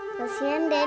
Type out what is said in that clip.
kasian dedy cekin